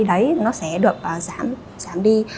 đấy nó sẽ được giảm đi